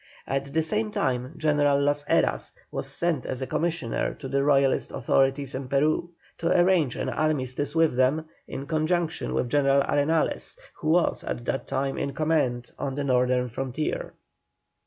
At the same time General Las Heras was sent as a commissioner to the Royalist authorities in Peru, to arrange an armistice with them, in conjunction with General Arenales, who was at that time in command on the northern frontier.